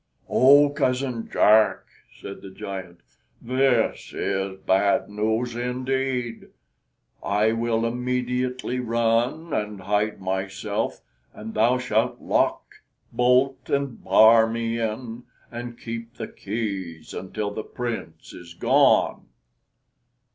"Oh, cousin Jack," said the giant, "this is bad news indeed! I will immediately run and hide myself, and thou shalt lock, bolt, and bar me in, and keep the keys until the Prince is gone."